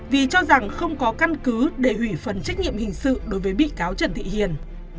vì cho rằng không có căn cứ để hủy phần trách nhiệm hình sự đối với bị cáo trần thị hiền